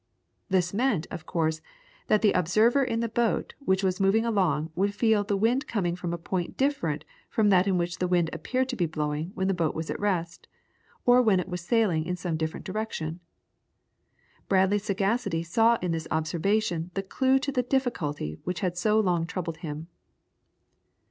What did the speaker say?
This meant, of course, that the observer in the boat which was moving along would feel the wind coming from a point different from that in which the wind appeared to be blowing when the boat was at rest, or when it was sailing in some different direction. Bradley's sagacity saw in this observation the clue to the Difficulty which had so long troubled him.